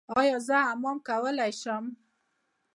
ایا زه حمام کولی شم؟